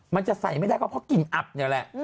มันจะใส่ไม่ได้ก็เพราะกลิ่นอับเนี่ยแหละ